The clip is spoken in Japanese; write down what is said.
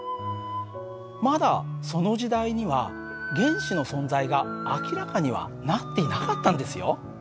まだその時代には原子の存在が明らかにはなっていなかったんですよ。